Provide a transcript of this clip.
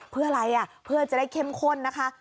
เพื่ออะไรเพื่อจะได้เข้มข้นนะคะ